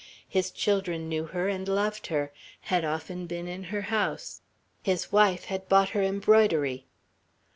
His children knew her and loved her; had often been in her house; his wife had bought her embroidery.